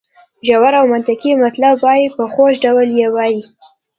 ژور او منطقي مطلب وایي په خوږ ډول یې وایي.